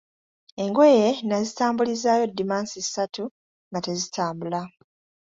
Engoye nazitambulizaayo dimansi ssatu nga tezitambula.